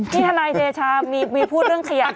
นี่ธนายเดชามีพูดเรื่องเคลียด